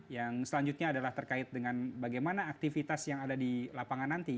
yang selanjutnya adalah terkait dengan bagaimana aktivitas yang ada di lapangan nanti